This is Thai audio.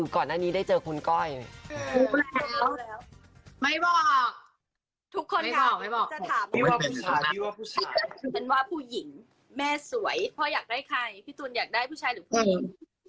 เป็นว่าผู้หญิงแม่สวยพ่ออยากได้ใครพี่ตูนอยากได้ผู้ชายหรือผู้หญิง